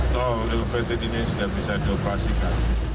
tol elevated ini sudah bisa dioperasikan